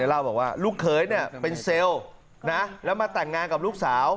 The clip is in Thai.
ลูกเขยเป็นเซลล์แล้วมาแต่งงานกับลูกสาว